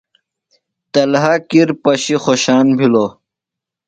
طلحہ کِر پشیۡ خوشان بِھلوۡ۔